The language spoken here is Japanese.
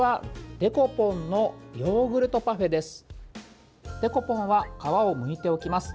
デコポンは皮をむいておきます。